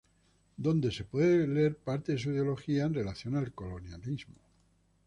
Donde se puede leer parte de su ideología en relación al colonialismo.